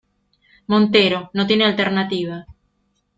montero, no tiene alternativa.